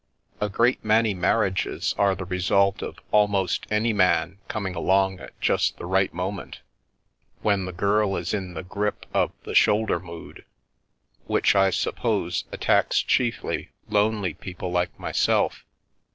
A great many mar riages are the result of almost any man coming along at just the right moment, when the girl is in the grip of the shoulder mood — which, I suppose, attacks chiefly lonely people like myself.